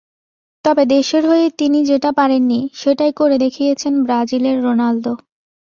তবে দেশের হয়ে তিনি যেটা পারেননি, সেটাই করে দেখিয়েছেন ব্রাজিলের রোনালদো।